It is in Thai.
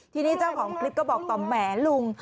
ทีนี้เจ้าของคลิปก็บอกต่อแหมลุง